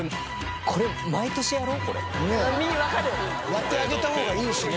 やってあげた方がいいしね。